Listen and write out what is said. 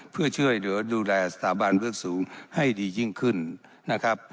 เพื่อช่วยเหลือดูแลสถาบันเบื้องสูงให้ดียิ่งขึ้นนะครับ